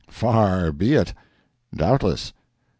Far be it. Doubtless.